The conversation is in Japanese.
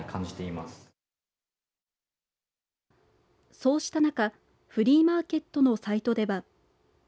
そうした中フリーマーケットのサイトでは。